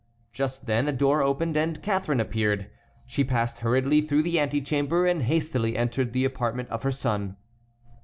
Just then a door opened and Catharine appeared. She passed hurriedly through the antechamber and hastily entered the apartment of her son.